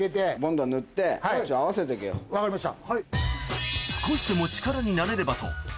分かりました。